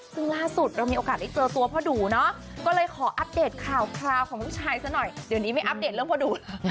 ซึ่งล่าสุดเรามีโอกาสได้เจอตัวพ่อดูเนาะก็เลยขออัปเดตข่าวคราวของลูกชายซะหน่อยเดี๋ยวนี้ไม่อัปเดตเรื่องพ่อดู